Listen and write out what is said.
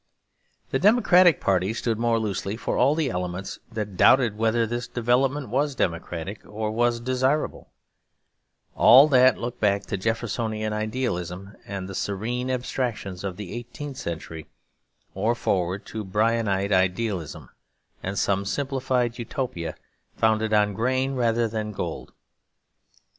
The Democratic party stood more loosely for all the elements that doubted whether this development was democratic or was desirable; all that looked back to Jeffersonian idealism and the serene abstractions of the eighteenth century, or forward to Bryanite idealism and some simplified Utopia founded on grain rather than gold.